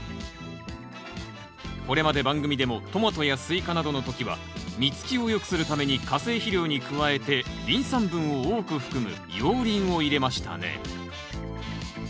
これまで番組でもトマトやスイカなどの時は実つきを良くするために化成肥料に加えてリン酸分を多く含む熔リンを入れましたね。